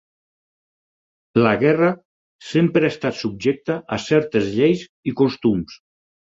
La guerra sempre ha estat subjecta a certes lleis i costums.